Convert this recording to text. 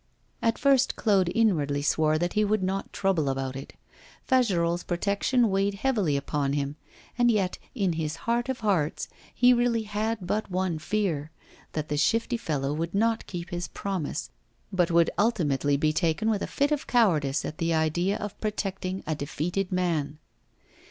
At first, Claude inwardly swore that he would not trouble about it. Fagerolles' protection weighed heavily upon him; and yet, in his heart of hearts, he really had but one fear, that the shifty fellow would not keep his promise, but would ultimately be taken with a fit of cowardice at the idea of protecting a defeated man.